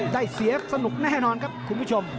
ได้เสียสนุกแน่นอนครับคุณผู้ชม